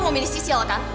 mau milih sisil kan